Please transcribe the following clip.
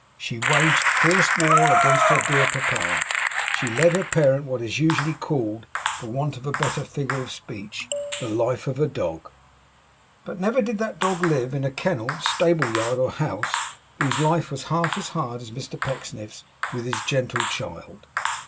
She waged fierce war against her dear papa, she led her parent what is usually called, for want of a better figure of speech, the life of a dog. But never did that dog live, in kennel, stable yard, or house, whose life was half as hard as Mr Pecksniff's with his gentle child.